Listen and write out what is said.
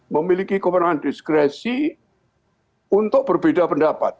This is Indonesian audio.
memiliki kewenangan diskresi untuk berbeda pendapat